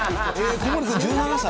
小森さん１７歳？